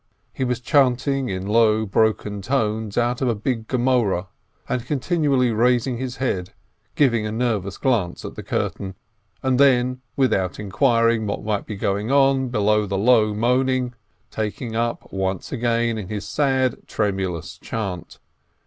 He was chanting in low, broken tones out of a big Gemoreh, and continually raising his head, giving a nervous glance at the curtain, and then, without inquiring what might be going on beyond the low moaning, taking up once again his sad, tremulous chant.